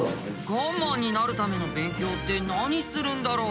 ガンマンになるための勉強って何するんだろう？